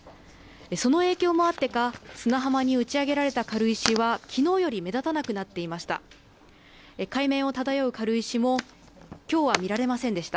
その影響もあってか砂浜に打ち上げられた軽石はきのうより目立たなくなっていました。